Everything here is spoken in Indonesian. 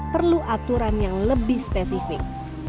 perlu aturan yang lebih spesifik